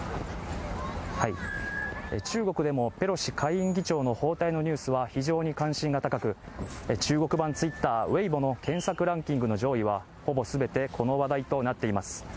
中国でもペロシ下院議長の訪台のニュースは非常に関心が高く中国版Ｔｗｉｔｔｅｒ、Ｗｅｉｂｏの検索ランキングの上位はほぼ全て、この話題となっています。